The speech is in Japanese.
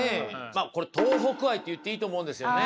これ東北愛って言っていいと思うんですよね。